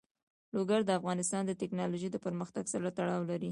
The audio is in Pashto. لوگر د افغانستان د تکنالوژۍ پرمختګ سره تړاو لري.